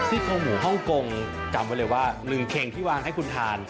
โครงหมูฮ่องกงจำไว้เลยว่า๑เข่งที่วางให้คุณทาน